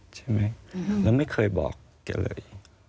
ใช่ไหมแล้วไม่เคยบอกแกเลย